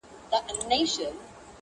څوک یې درې څوک یې څلور ځله لوستلي،